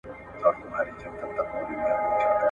ضروري معلومات د دواړو لورو ترمنځ تبادله سول.